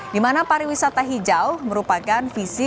di mana pariwisata hijau merupakan visi